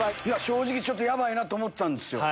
正直ちょっとヤバいなと思ってたんですよ。